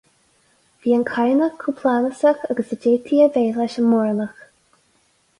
Bhí an Cadhnach chomh plámásach agus a d'fhéadfaí a bheith leis an Móránach.